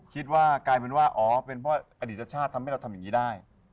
กลายเป็นว่าอ๋อเป็นเพราะอดีตชาติทำให้เราทำอย่างนี้ได้